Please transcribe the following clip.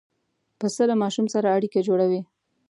پسه له ماشوم سره اړیکه جوړوي.